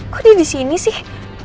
kok dia disini sih